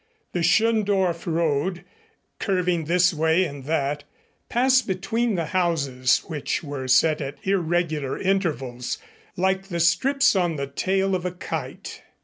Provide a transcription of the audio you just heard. The Schöndorf road, curving this way and that, passed between the houses, which were set at irregular intervals, like the strips on the tail of a kite.